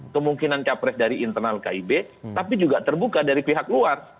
kemungkinan capres dari internal kib tapi juga terbuka dari pihak luar